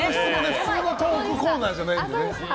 普通のトークコーナーじゃないんでね。